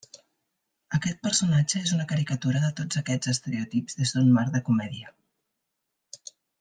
Aquest personatge és una caricatura de tots aquests estereotips des d'un marc de comèdia.